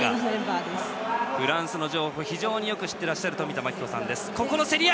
フランスの情報を非常によく知っていらっしゃる冨田真紀子さんです。